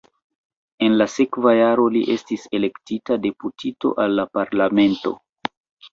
En la sekva jaro li estis elektita deputito al la parlamento.